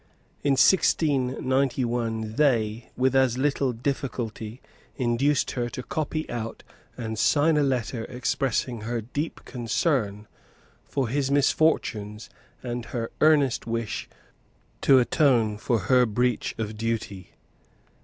In 1691, they, with as little difficulty, induced her to copy out and sign a letter expressing her deep concern for his misfortunes and her earnest wish to atone for her breach of duty.